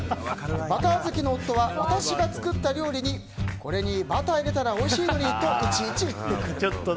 バター好きの夫は私が作った料理にこれにバター入れたらおいしいのにといちいち言ってくる。